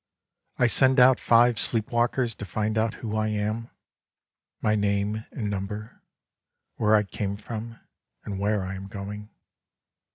I send out five sleepwalkers to find out who I am, my name and number, where I came from, and where I am going.